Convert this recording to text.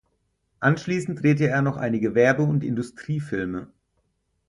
Anschließend drehte er noch einige Werbe- und Industriefilme.